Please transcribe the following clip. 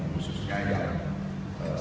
khususnya ya pak jelisaya